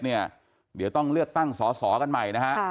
เดี๋ยวต้องเลือกตั้งสอสอกันใหม่นะฮะ